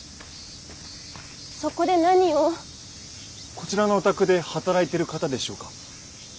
こちらのお宅で働いてる方でしょうか。